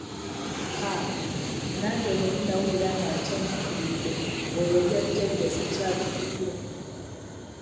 Haa! Nange muli nnawulira nga ncamuukiridde ng'olwo ebya jjajja ssikyabijjukira.